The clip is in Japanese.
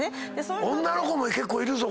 女の子も結構いるぞ。